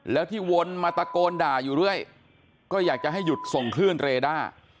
แล้วที่วนมาตะโกนด่าอยู่เรื่อยก็อยากจะให้หยุดส่งคลื่นเรด้า